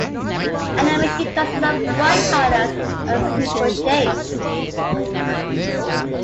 Animation consists of bright colors and simple shapes.